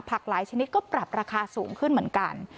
หลายชนิดก็ปรับราคาสูงขึ้นเหมือนกัน